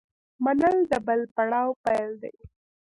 منل د بل پړاو پیل دی.